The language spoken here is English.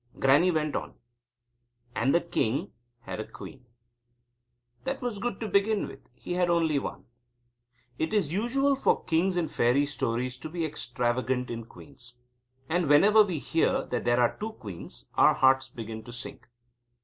Grannie went on: "And the king had a queen." That was good to begin with. He had only one. It is usual for kings in fairy stories to be extravagant in queens. And whenever we hear that there are two queens, our hearts begin to sink.